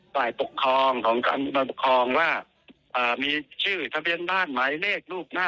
ฝ่ายปกครองของการปกครองว่ามีชื่อทะเบียนบ้านหมายเลขรูปหน้า